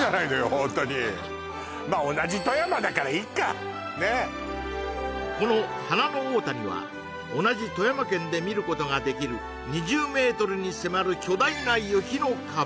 ホントにまあ同じ富山だからいっかねっこの花の大谷は同じ富山県で見ることができる２０ｍに迫る巨大な雪の壁